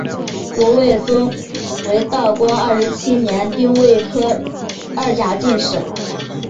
吴慰曾为道光二十七年丁未科二甲进士。